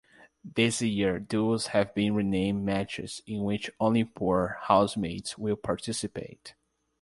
This year duels have been renamed "matches" in which only poor housemates will participate.